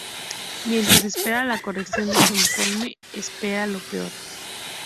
Mientras espera la corrección de su informe, espera lo peor.